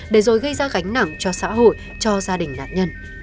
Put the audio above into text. để rồi gây ra gánh nặng cho xã hội cho gia đình nạn nhân